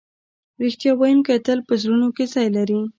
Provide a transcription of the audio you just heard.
رښتیا ویونکی تل په زړونو کې ځای لري.